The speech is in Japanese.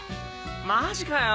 マジかよ！